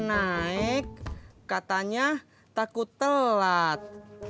kok gak naik katanya takut telat